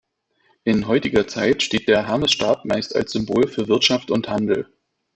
In heutiger Zeit steht der Hermesstab meist als Symbol für Wirtschaft und Handel.